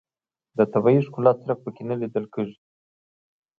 د طبیعي ښکلا څرک په کې نه لیدل کېږي.